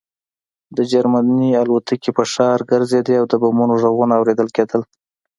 د جرمني الوتکې په ښار ګرځېدې او د بمونو غږونه اورېدل کېدل